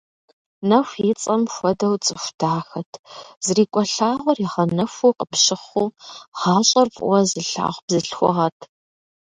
Нэху и цӀэм хуэдэу цӀыху дахэт, зрикӀуэ лъагъуэр игъэнэхуу къыпщыхъуу, гъащӀэр фӀыуэ зылъагъу бзылъхугъэт.